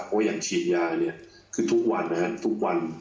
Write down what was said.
เพราะว่าอย่างฉีดยาเนี่ยคือทุกวันนะครับทุกวัน